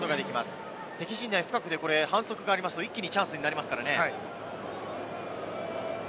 深くで反則がありますと、一気にチャンスになりますからね。